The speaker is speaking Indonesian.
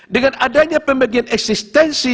dengan adanya pembagian eksistensi